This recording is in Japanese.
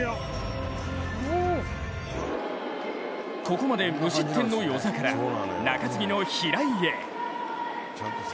ここまで無失点の與座から中継ぎの平井へ。